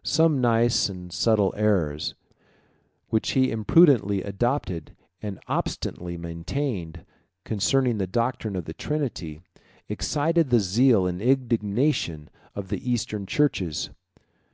1281 Some nice and subtle errors, which he imprudently adopted and obstinately maintained, concerning the doctrine of the Trinity, excited the zeal and indignation of the Eastern churches.